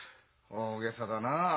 大げさだなあ。